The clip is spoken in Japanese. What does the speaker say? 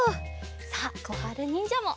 さあこはるにんじゃも。